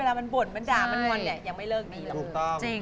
เวลามันบ่นมันด่ามันงอนเนี่ยยังไม่เลิกดีหรอก